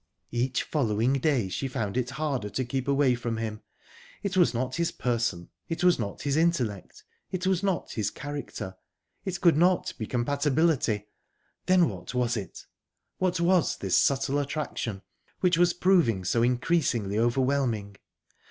Each following day she found it harder to keep away from him. It was not his person, it was not his intellect, it was not his character; it could not be compatibility...Then what was it? What was this subtle attraction which was proving so increasingly overwhelming?